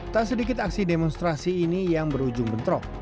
tak sedikit aksi demonstrasi ini yang berujung bentrok